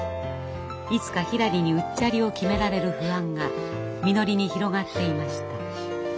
いつかひらりにうっちゃりを決められる不安がみのりに広がっていました。